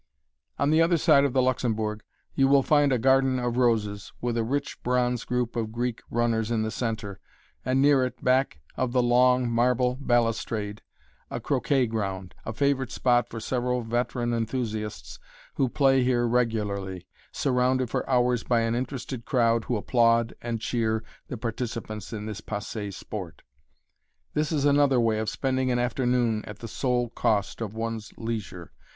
On the other side of the Luxembourg you will find a garden of roses, with a rich bronze group of Greek runners in the center, and near it, back of the long marble balustrade, a croquet ground a favorite spot for several veteran enthusiasts who play here regularly, surrounded for hours by an interested crowd who applaud and cheer the participants in this passé sport. This is another way of spending an afternoon at the sole cost of one's leisure.